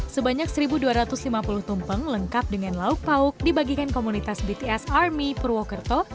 sebanyak satu dua ratus lima puluh tumpeng lengkap dengan lauk pauk dibagikan komunitas bts army purwokerto